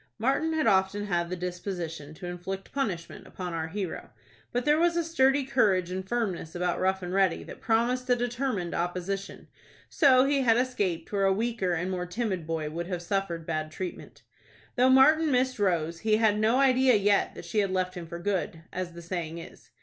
Martin had often had the disposition to inflict punishment upon our hero, but there was a sturdy courage and firmness about Rough and Ready that promised a determined opposition. So he had escaped where a weaker and more timid boy would have suffered bad treatment. Though Martin missed Rose he had no idea yet that she had left him for good, as the saying is.